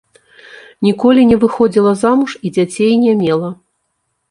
Ніколі не выходзіла замуж і дзяцей не мела.